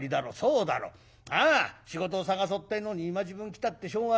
ああ仕事を探そうってえのに今時分来たってしょうがない。